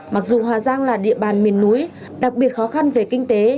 mặc dù hà giang là địa bàn miền núi đặc biệt khó khăn về kinh tế